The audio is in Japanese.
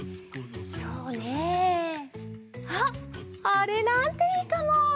そうねあっあれなんていいかも！